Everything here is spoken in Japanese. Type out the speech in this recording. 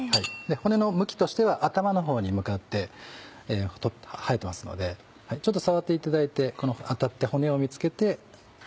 骨の向きとしては頭のほうに向かって生えてますのでちょっと触っていただいてこの当たった骨を見つけて。